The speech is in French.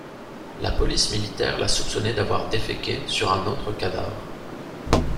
La police militaire l'a soupçonné d'avoir déféqué sur un autre cadavre.